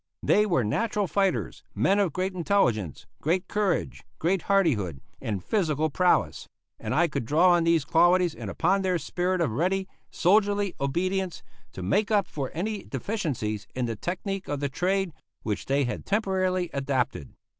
They were natural fighters, men of great intelligence, great courage, great hardihood, and physical prowess; and I could draw on these qualities and upon their spirit of ready, soldierly obedience to make up for any deficiencies in the technique of the trade which they had temporarily adopted.